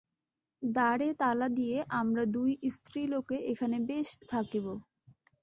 দ্বারে তালা দিয়া আমরা দুই স্ত্রীলোকে এখানে বেশ থাকিব।